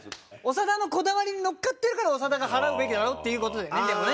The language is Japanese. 長田のこだわりに乗っかってるから長田が払うべきだろっていう事だよねでもね。